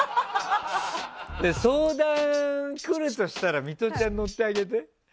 相談来るとしたらミトちゃん乗ってあげて？